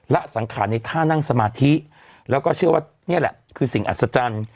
ละสังขารในท่านั่งสมาธิแล้วก็เชื่อว่านี่แหละคือสิ่งอัศจรรย์